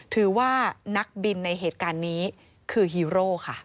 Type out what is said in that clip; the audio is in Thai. ถือว่านักบินในเหตุการณ์นี้คือฮีโร่ค่ะ